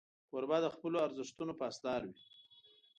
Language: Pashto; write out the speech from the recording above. کوربه د خپلو ارزښتونو پاسدار وي.